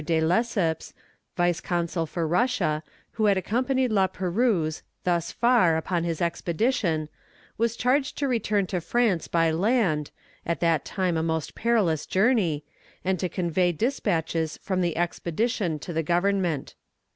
de Lesseps, Vice Consul for Russia, who had accompanied La Perouse thus far upon his expedition, was charged to return to France by land (at that time a most perilous journey), and to convey despatches from the expedition to the government.